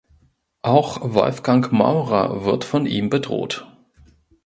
Auch Wolfgang Maurer wird von ihm bedroht.